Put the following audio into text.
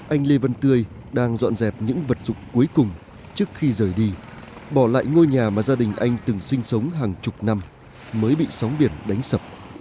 anh lê vân tươi đang dọn dẹp những vật dụng cuối cùng trước khi rời đi bỏ lại ngôi nhà mà gia đình anh từng sinh sống hàng chục năm mới bị sóng biển đánh sập